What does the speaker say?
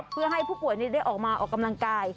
เพื่อให้ผู้ป่วยนี้ได้ออกมาออกกำลังกาย